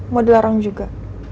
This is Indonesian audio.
mau dilarang juga